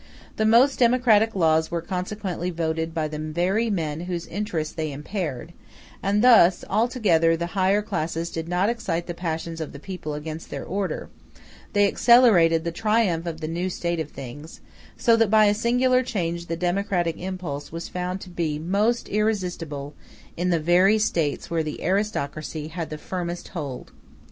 The most democratic laws were consequently voted by the very men whose interests they impaired; and thus, although the higher classes did not excite the passions of the people against their order, they accelerated the triumph of the new state of things; so that by a singular change the democratic impulse was found to be most irresistible in the very States where the aristocracy had the firmest hold.